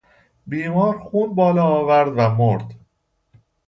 بیمار خون بالا آورد و مرد.